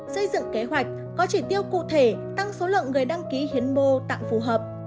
xây dựng kế hoạch có chỉ tiêu cụ thể tăng số lượng người đăng ký hiến mô tặng phù hợp